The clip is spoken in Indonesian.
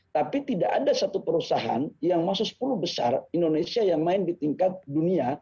tapi tidak ada satu perusahaan yang masuk sepuluh besar indonesia yang main di tingkat dunia